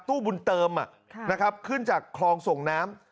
ตู้บุญเติมอ่ะนะครับขึ้นจากคลองส่งน้ำ